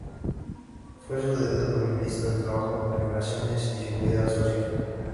Fue sucedido por el Ministerio de Trabajo, Migraciones y Seguridad Social.